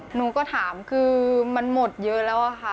หนูก็ถามคือมันหมดเยอะแล้วอะค่ะ